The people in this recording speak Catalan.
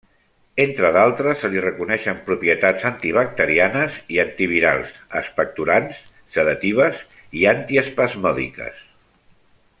Entre d'altres se li reconeixen propietats antibacterianes i antivirals, expectorants, sedatives i antiespasmòdiques.